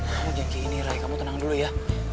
kamu jangan kayak gini rai kamu tenang dulu ya